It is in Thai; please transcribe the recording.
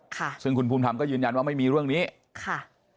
ค่ะซึ่งคุณภูมิธรรมก็ยืนยันว่าไม่มีเรื่องนี้ค่ะ